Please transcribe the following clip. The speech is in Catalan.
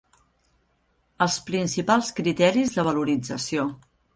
Els principals criteris de valorització.